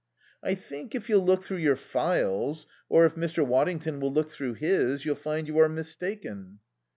"I think, if you'll look through your files, or if Mr. Waddington will look through his, you'll find you are mistaken."